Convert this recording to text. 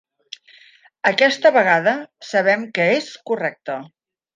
Aquesta vegada sabem que és correcte.